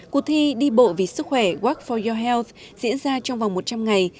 cuộc thi đi bộ vì sức khỏe work for your health diễn ra trong vòng một trăm linh ngày